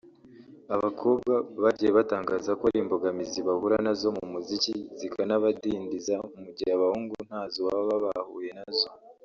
abakobwa bagiye batangaza ko hari imbogamizi bahura nazo mu muziki zikanabadindiza mu gihe abahungu ntazo baba bahuye nazo